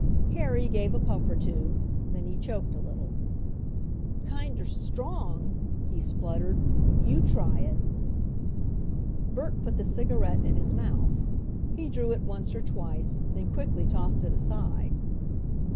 Harry gave a puff or two. Then he choked a little. "Kinder strong," he spluttered. "You try it!" Bert put the cigarette in his mouth. He drew it once or twice, then quickly tossed it aside.